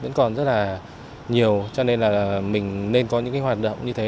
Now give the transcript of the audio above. vẫn còn rất là nhiều cho nên là mình nên có những hoạt động như thế